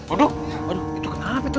aduh itu kenapa itu